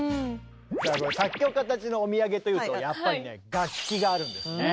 さあ作曲家たちのお土産というとやっぱりね楽器があるんですね。